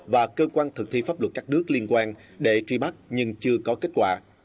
và cơ quan thực thi pháp luật các nước liên quan để truy bắt nhưng chưa có kết quả